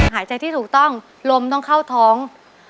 หายใจที่ถูกต้องลมต้องเข้าท้อง